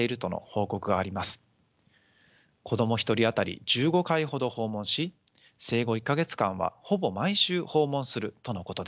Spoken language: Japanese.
子ども１人当たり１５回ほど訪問し生後１か月間はほぼ毎週訪問するとのことです。